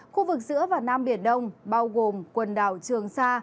khu vực giữa và nam biển đông bao gồm quần đảo trường sa